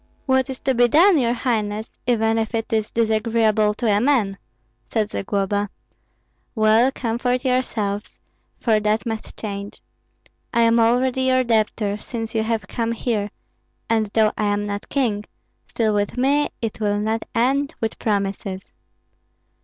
"What is to be done, your highness, even if it is disagreeable to a man?" said Zagloba. "Well, comfort yourselves, for that must change. I am already your debtor, since you have come here; and though I am not king, still with me it will not end with promises."